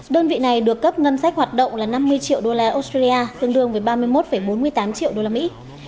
đơn vị này được cấp ngân sách hoạt động là năm mươi triệu đô la australia tương đương với ba mươi một bốn mươi tám triệu đô la mỹ